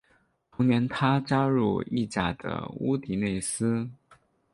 同年他加入意甲的乌迪内斯。